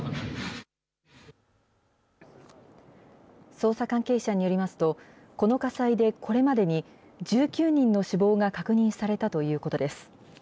捜査関係者によりますと、この火災でこれまでに１９人の死亡が確認されたということです。